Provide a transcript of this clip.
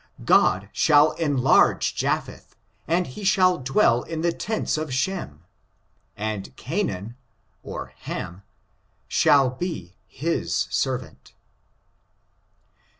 God shall enlarge Japheth, and he shaU dwell in the tents of Shem; and Canaan {Ham) shcUl be his servant.